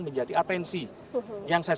menjadi atensi yang saya